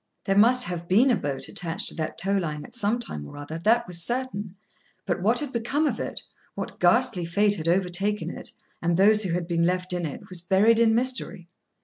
There must have been a boat attached to that tow line at some time or other, that was certain; but what had become of it, what ghastly fate had overtaken it, and those who had been left in it, was buried in mystery.